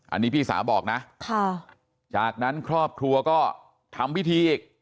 อันนี้พี่สาวบอกนะจากนั้นครอบครัวก็ทำพิธีอีก